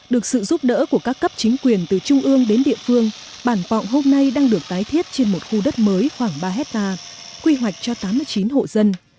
được sự giúp đỡ của các cấp chính quyền từ trung ương đến địa phương bản pọng hôm nay đang được tái thiết trên một khu đất mới khoảng ba hectare quy hoạch cho tám mươi chín hộ dân